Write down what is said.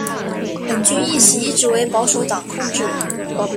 本区议席一直为保守党控制。